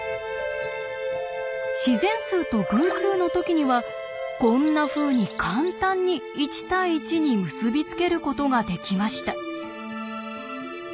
自然数と偶数の時にはこんなふうに簡単に１対１に結び付けることができました。